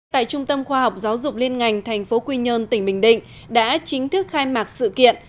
tại trung tâm khoa học giáo dục liên ngành tp quy nhơn tỉnh bình định đã chính thức khai mạc sự kiện